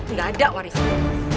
enggak ada warisan